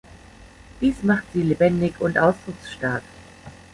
Dies macht sie lebendig und ausdrucksstark.